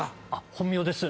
本名です。